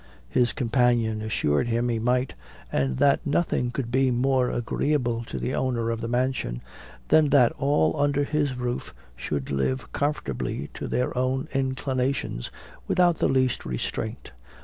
His companion assured him he might, and that nothing could be more agreeable to the owner of the mansion, than that all under his roof should live comformably to their own inclinations, without the least restraint.